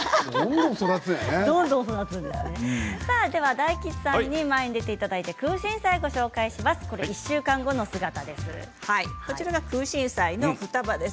大吉さんに前に出ていただいてクウシンサイをご紹介します。